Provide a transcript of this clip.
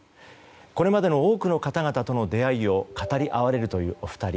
これまでの多くの方々との出会いを語り合われるというお二人。